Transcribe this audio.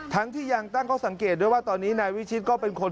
ทั้งที่ยังตั้งข้อสังเกตด้วยว่าตอนนี้นายวิชิตก็เป็นคน